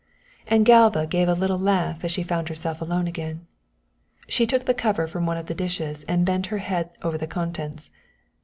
And Galva gave a little laugh as she found herself alone again. She took the cover from one of the dishes and bent her head over the contents.